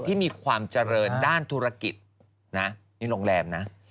ที่มีความเจริญด้านธุรกิจนะนี่โรงแรมนะ